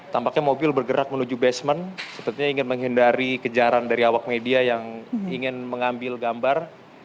tampaknya mobil bergerak menuju basement sepertinya ingin menghindari kejaran dari awak media yang ingin mengambil gambar